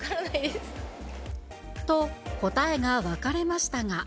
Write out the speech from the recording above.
と、答えが分かれましたが。